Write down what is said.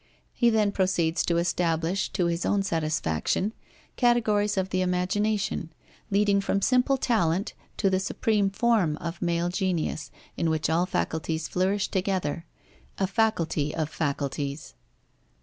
He then proceeds to establish to his own satisfaction categories of the imagination, leading from simple talent to the supreme form of male genius in which all faculties flourish together: a faculty of faculties.